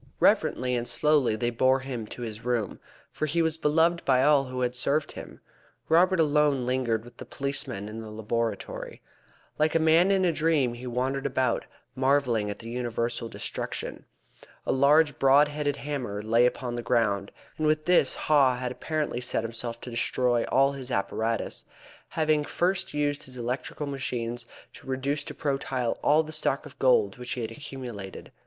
Reverently and slowly they bore him to his room, for he was beloved by all who had served him. Robert alone lingered with the policeman in the laboratory. Like a man in a dream he wandered about, marvelling at the universal destruction. A large broad headed hammer lay upon the ground, and with this Haw had apparently set himself to destroy all his apparatus, having first used his electrical machines to reduce to protyle all the stock of gold which he had accumulated.